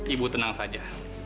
ibu tenang saja